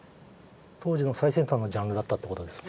当時の最先端のジャンルだったってことですね。